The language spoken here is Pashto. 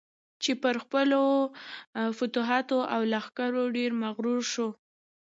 چې پر خپلو فتوحاتو او لښکرو ډېر مغرور شو.